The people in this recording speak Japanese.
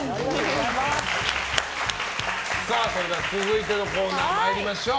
それでは続いてのコーナー参りましょう。